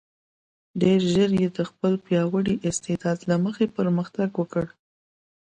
ډېر ژر یې د خپل پیاوړي استعداد له مخې پرمختګ وکړ.